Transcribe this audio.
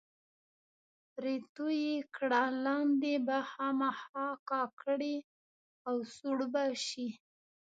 پرې توی یې کړه، لاندې به خامخا کا کړي او سوړ به شي.